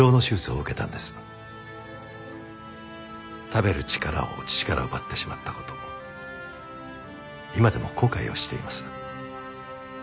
食べる力を父から奪ってしまった事今でも後悔をしています。